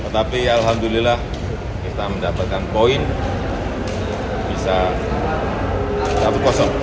tapi alhamdulillah kita mendapatkan poin bisa satu kosong